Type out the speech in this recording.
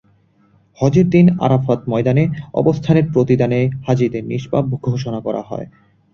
হজের দিনে আরাফাতের ময়দানে অবস্থানের প্রতিদানে হাজিদের নিষ্পাপ ঘোষণা করা হয়।